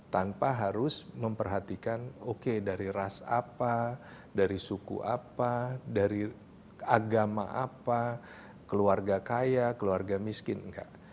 tanpa harus memperhatikan oke dari ras apa dari suku apa dari agama apa keluarga kaya keluarga miskin enggak